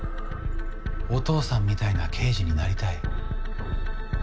お父さんみたいな刑事になりたい？